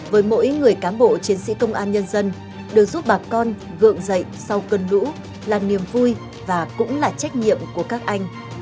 với mỗi người cám bộ chiến sĩ công an nhân dân được giúp bà con gượng dậy sau cơn lũ là niềm vui và cũng là trách nhiệm của các anh